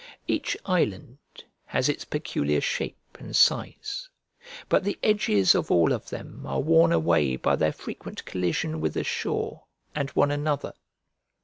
Each island has its peculiar shape and size, but the edges of all of them are worn away by their frequent collision with the shore and one another.